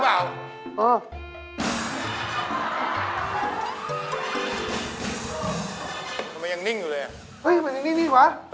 ทำไมมันยังนิ่งอยู่คะ